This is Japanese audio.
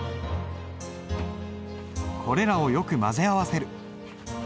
これらをよく混ぜ合わせる。